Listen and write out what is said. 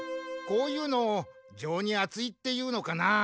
こういうのを情にあついっていうのかなあ。